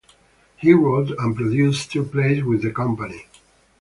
He wrote and produced two plays with the company.